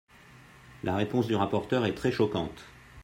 La réponse du rapporteur est très choquante.